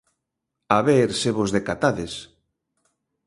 A ver se vos decatades.